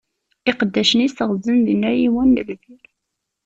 Iqeddacen-is ɣzen dinna yiwen n lbir.